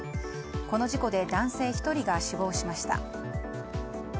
この事故で男性１人が死亡しました。